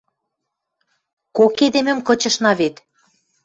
Кок эдемӹм кычышна вет.